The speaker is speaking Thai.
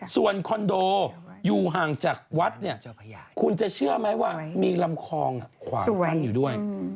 ส่วนคอนโดอยู่ห่างจากวัดเนี่ยคุณจะเชื่อไหมว่ามีลำคลองขวางกั้นอยู่ด้วย